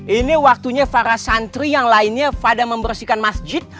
ini waktunya para santri yang lainnya pada membersihkan masjid